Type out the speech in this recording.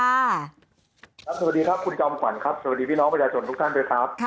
สวัสดีครับคุณจอมขวัญครับสวัสดีพี่น้องประชาชนทุกท่านด้วยครับ